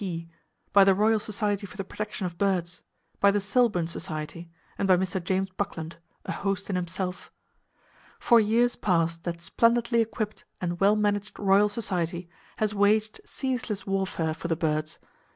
P., by the Royal Society for the Protection of Birds, by the Selbourne Society, and by Mr. James Buckland—a host in himself. For years past that splendidly equipped and well managed Royal Society has waged [Page 136] ceaseless warfare for the birds.